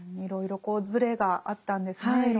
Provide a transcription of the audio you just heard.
いろいろこうズレがあったんですね